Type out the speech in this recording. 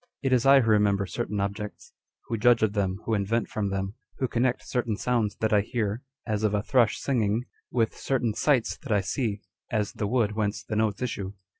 It is Jwho remember certain objects, who judge of them, who invent from them, who connect certain sounds that I hear, as of a thrush singing, with certain sights that I see, as the wood whence the notes issue.